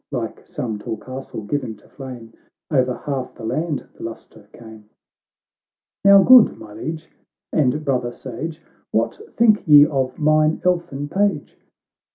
Like some tall castle given to flame, O'er half the land the lustre came. " Now, good my Liege, and brother sage, "What think ye of mine elfin page